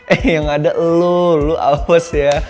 eh yang ada lu lu aus ya